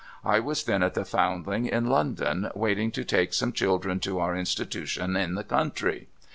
I was then at the Foundling, in London, waiting to take some children to our institution in the country.